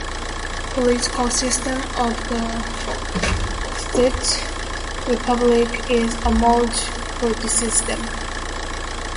Political system of the Czech Republic is a multi-party system.